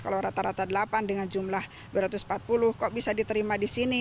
kalau rata rata delapan dengan jumlah dua ratus empat puluh kok bisa diterima di sini